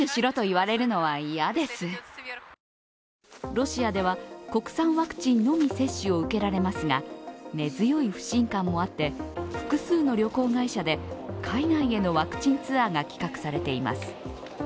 ロシアでは、国産ワクチンのみ接種を受けられますが根強い不信感もあって複数の旅行会社で海外へのワクチンツアーが企画されています。